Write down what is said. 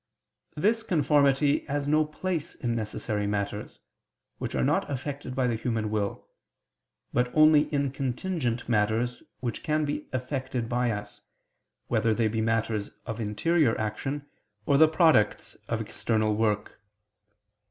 This conformity has no place in necessary matters, which are not affected by the human will; but only in contingent matters which can be effected by us, whether they be matters of interior action, or the products of external work.